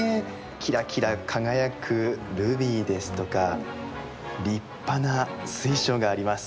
キラキラ輝くルビーですとか立派な水晶があります。